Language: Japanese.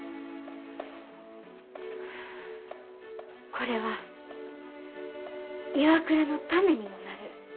これはＩＷＡＫＵＲＡのためにもなる。